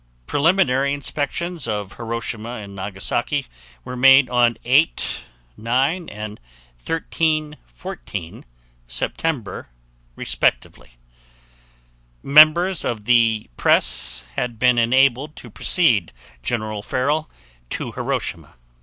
Preliminary inspections of Hiroshima and Nagasaki were made on 8 9 and 13 14 September, respectively. Members of the press had been enabled to precede General Farrell to Hiroshima.